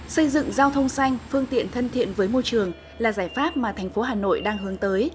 xây dựng giao thông xanh phương tiện thân thiện với môi trường là giải pháp mà thành phố hà nội đang hướng tới